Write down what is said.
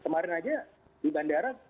kemarin aja di bandara